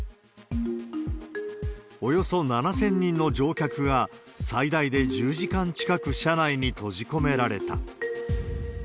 およそ７０００人の乗客が最大で１０時間近く車内に閉じ込められた。